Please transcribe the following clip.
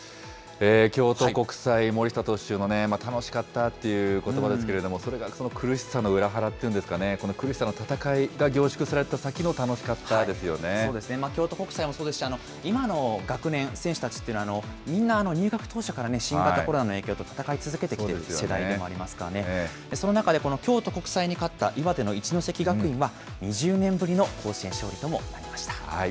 京都国際、森下投手のね、楽しかったっていうことばですけれども、それが苦しさの裏腹っていうんですかね、この苦しさの戦いが凝縮そうですね京都国際もそうですし、今の学年、選手たちっていうのは、みんな、入学当初から新型コロナの影響と戦い続けている世代でもありますからね、その中でこの京都国際に勝った岩手の一関学院は、２０年ぶりの甲子園勝利ともなりました。